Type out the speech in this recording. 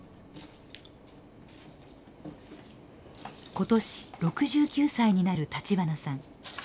今年６９歳になる立花さん。